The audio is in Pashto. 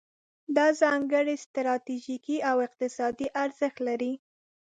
دا ځانګړی ستراتیژیکي او اقتصادي ارزښت لري.